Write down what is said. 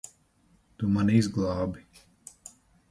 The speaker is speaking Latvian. Tu mani izglābi.